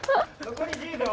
残り１０秒。